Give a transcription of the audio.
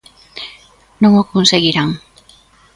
Non o conseguirán.